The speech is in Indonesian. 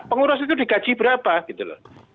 pengurus itu digaji berapa gitu loh